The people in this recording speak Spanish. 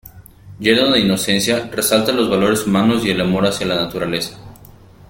Lleno de inocencia, resalta los valores humanos y el amor hacia la naturaleza.